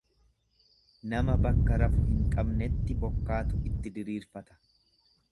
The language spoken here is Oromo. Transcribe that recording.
Nama bakka rafu hin qabnetti bokkaatu itti diriirfata.